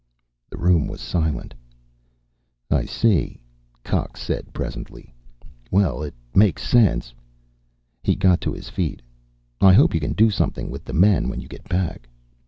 The room was silent. "I see," Cox said presently. "Well, it makes sense." He got to his feet. "I hope you can do something with the men when you get back."